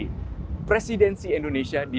kepala kepala kepala